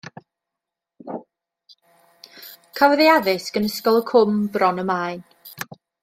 Cafodd ei addysg yn Ysgol y Cwm, Bron y Maen.